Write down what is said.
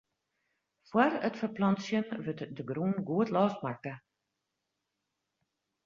Fóár it ferplantsjen wurdt de grûn goed losmakke.